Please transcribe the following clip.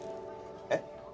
えっ？